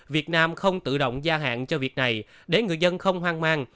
việt nam không tự động gia hạn cho việc này để người dân không hoang mang